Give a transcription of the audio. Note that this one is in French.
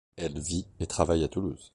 Elle vit et travaille à Toulouse.